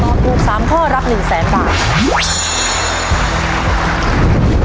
ถูก๓ข้อรับ๑แสนบาท